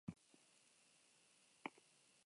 Gerta litekeena aurreratzea ia ezinezkoa.